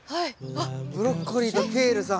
ブロッコリーとケールさん。